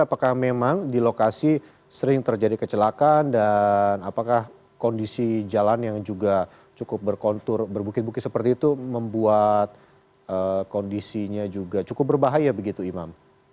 apakah memang di lokasi sering terjadi kecelakaan dan apakah kondisi jalan yang juga cukup berkontur berbukit bukit seperti itu membuat kondisinya juga cukup berbahaya begitu imam